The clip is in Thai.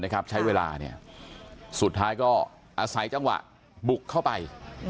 ใช้เวลาสุดท้ายก็อาศัยจังหวะบุกเข้าไป